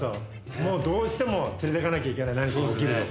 もうどうしても連れてかなきゃいけない何かが起きるとか。